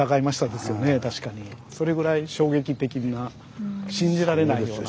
それぐらい衝撃的な信じられないような。